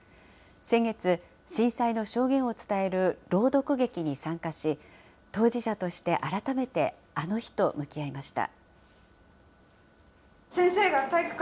先月、震災の証言を伝える朗読劇に参加し、当事者として改めて、あの日と向き合いました。